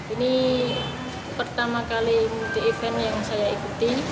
ini pertama kali multi event yang saya ikuti